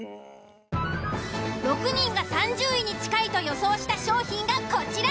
６人が３０位に近いと予想した商品がこちら。